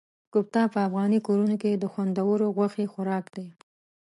کوفته په افغاني کورنیو کې د خوندورو غوښې خوراک دی.